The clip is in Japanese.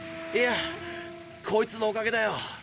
いやこいつのおかげだよ。